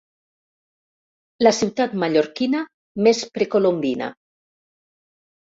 La ciutat mallorquina més precolombina.